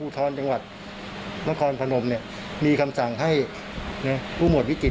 ทำเกินไปแค่โทรให้มาดูให้